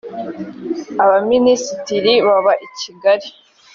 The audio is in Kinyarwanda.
abaminisitiri baba i kigali .